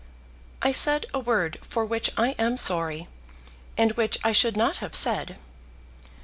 "I said a word for which I am sorry, and which I should not have said."